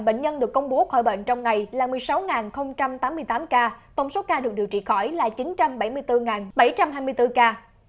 bệnh nhân được công bố khỏi bệnh trong ngày là một mươi sáu tám mươi tám ca tổng số ca được điều trị khỏi là chín trăm bảy mươi bốn bảy trăm hai mươi bốn ca